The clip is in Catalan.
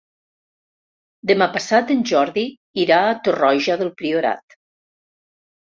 Demà passat en Jordi irà a Torroja del Priorat.